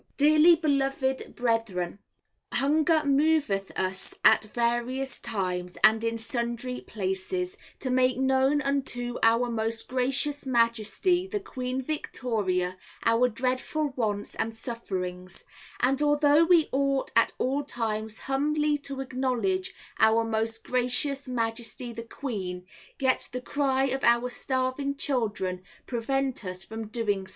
Dearly Beloved Brethren Hunger moveth us at various times and in sundry places, to make known unto our Most Gracious Majesty, the Queen Victoria, our dreadful wants and sufferings, and although we ought at all times humbly to acknowledge our Most Gracious Majesty the Queen, yet the cry of our starving children prevent us from so doing.